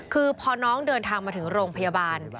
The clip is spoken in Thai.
คือพอน้องเดินทางมาถึงโรงพยาบาล